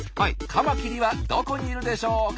カマキリはどこにいるでしょうか？